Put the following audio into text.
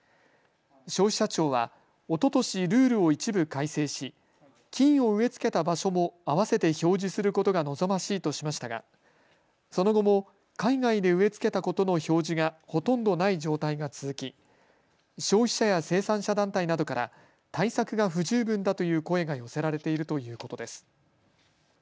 消費者庁はおととしルールを一部改正し菌を植え付けた場所もあわせて表示することが望ましいとしましたがその後も海外で植え付けたことの表示がほとんどない状態が続き、消費者や生産者団体などから対策が不十分だという声が寄せられているということです。